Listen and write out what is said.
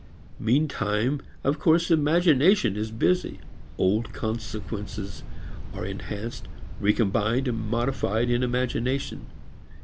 Meantime of course imagination is busy. Old consequences are enhanced, recombined, modified in imagination.